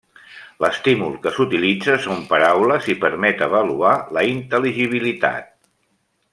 L'estímul que s'utilitza són paraules i permet avaluar la intel·ligibilitat.